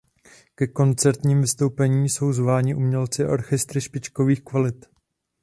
Ke koncertním vystoupením jsou zváni umělci a orchestry špičkových kvalit.